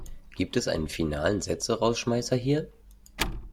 Gibt es einen finalen Sätzerausschmeißer hier?